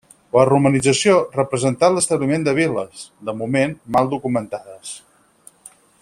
La romanització representà l'establiment de vil·les, de moment mal documentades.